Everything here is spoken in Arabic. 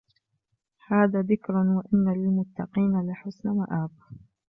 هذا ذكر وإن للمتقين لحسن مآب